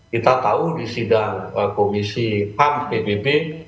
kita tahu di sidang komisi ham pbb